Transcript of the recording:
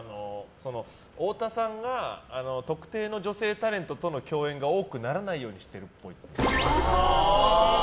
太田さんが特定の女性タレントとの共演が多くならないようにしてるっぽい。